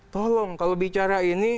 tolong kalau bicara ini